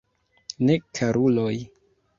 Ne, karuloj.